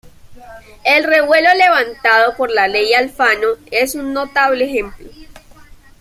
El revuelo levantado por la ley Alfano es un notable ejemplo.